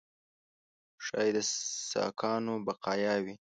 ښایي د ساکانو بقایاوي.